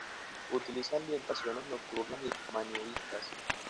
Utiliza ambientaciones nocturnas y manieristas.